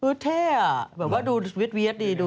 เฮ่ยแท่อะแบบว่าดูเวียดดี